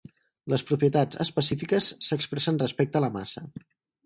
Les propietats "específiques" s'expressen respecte a la massa.